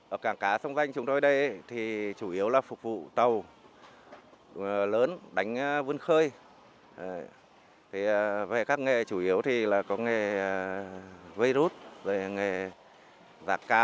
ở càng cá xung quanh chúng tôi ở đây thì chủ yếu là phục vụ cho các con cá